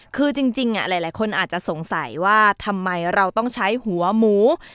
คือจริงหลายคนอาจจะสงสัยว่าทำไมเราต้องใช้หัวหมู